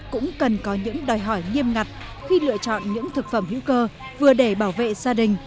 cũng cần có những đòi hỏi nghiêm ngặt khi lựa chọn những thực phẩm hữu cơ vừa để bảo vệ gia đình